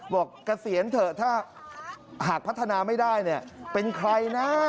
บอกเกษียณเถอะถ้าหากพัฒนาไม่ได้เป็นใครนะ